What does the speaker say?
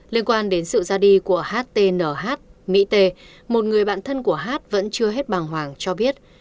liên quan đến sự ra đi của htnh mỹ t một người bạn thân của hát vẫn chưa hết bằng hoàng cho biết